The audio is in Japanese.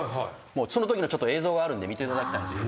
そのときの映像があるんで見ていただきたいんすけど。